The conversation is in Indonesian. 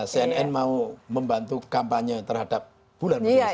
cnn mau membantu kampanye terhadap bulan peduli sampah